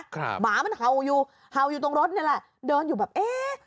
หมามันเห่าอยู่เห่าอยู่ตรงรถนี่แหละเดินอยู่แบบเอ๊ะ